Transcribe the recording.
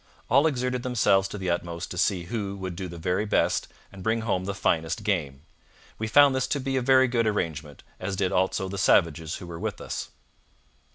All exerted themselves to the utmost to see who would do the best and bring home the finest game. We found this a very good arrangement, as did also the savages who were with us.'